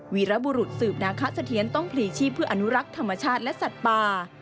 วีรบุรุษสืบนาคสะเทียนต้องพลีชีพเพื่ออนุรักษ์ธรรมชาติและสัตว์ป่า